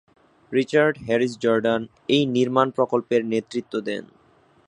Richard Harris Jordan এই নির্মাণ প্রকল্পের নেতৃত্ব দেন।